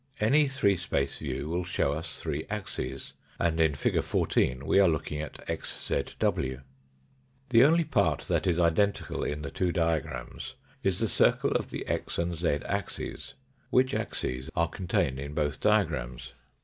Any three space view will show us three axes, and in fig. 14 we are looking at xzw. The only part that is identical in the two diagrams is the circle of the x and z axes, which axes are contained in both diagrams.